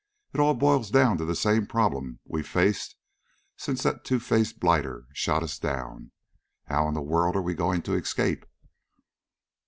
It all boils down to the same problem we've faced since that two faced blighter shot us down. How in the world are we going to escape?"